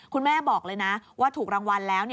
คุณแม่บอกเลยนะว่าถูกรางวัลแล้ว